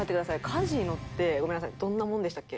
カジノってごめんなさいどんなものでしたっけ？